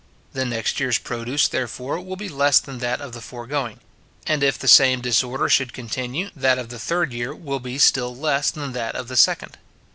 The next year's produce, therefore, will be less than that of the foregoing; and if the same disorder should continue, that of the third year will be still less than that of the second.